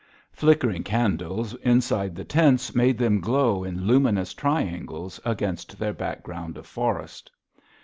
Flickering candles inside the tents made them glow in luminous triangles against their background of forest.